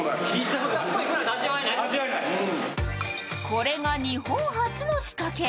これが日本初の仕掛け。